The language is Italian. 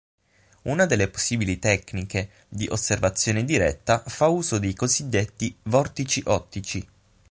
Una delle possibili tecniche di osservazione diretta fa uso dei cosiddetti vortici ottici.